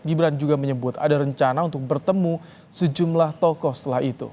gibran juga menyebut ada rencana untuk bertemu sejumlah tokoh setelah itu